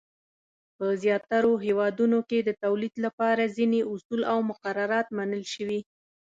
په زیاترو هېوادونو کې د تولید لپاره ځینې اصول او مقررات منل شوي.